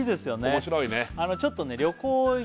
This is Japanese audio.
面白いね